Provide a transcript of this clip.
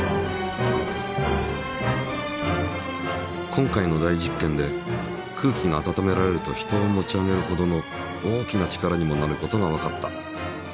今回の大実験で空気が温められると人を持ち上げるほどの大きな力にもなることがわかった。